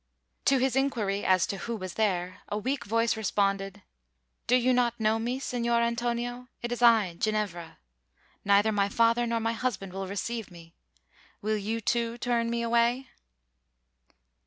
To his inquiry as to who was there, a weak voice responded, "Do you not know me, Signor Antonio? It is I Ginevra. Neither my father nor my husband will receive me. Will you, too, turn me away?"